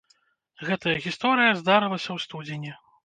Гэтая гісторыя здарылася ў студзені.